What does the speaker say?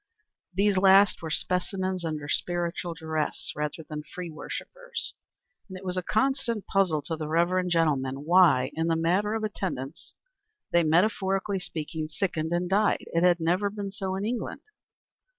These last were specimens under spiritual duress rather than free worshippers, and it was a constant puzzle to the reverend gentleman why, in the matter of attendance, they, metaphorically speaking, sickened and died. It had never been so in England.